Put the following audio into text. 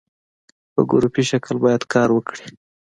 په ګروپي شکل باید کار وکړي.